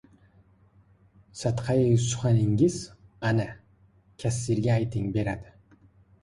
— Sadqai suxaningiz, ana, kassirga ayting, beradi.